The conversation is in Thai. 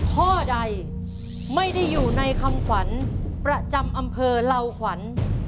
ข้อใดไม่ได้อยู่ในคำขวัญประจำอำเภอเหล่าขวัญ